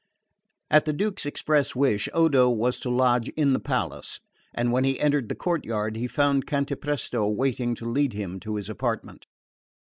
2.10. At the Duke's express wish, Odo was to lodge in the palace; and when he entered the courtyard he found Cantapresto waiting to lead him to his apartment.